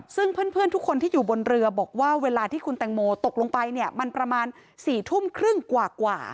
ซึ่งเพื่อนทุกคนที่อยู่บนเรือบอกว่าเวลาที่คุณแตงโมตกลงไปเนี่ยมันประมาณ๔ทุ่มครึ่งกว่า